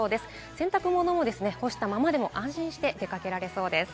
洗濯物も干したままでも安心して出かけられそうです。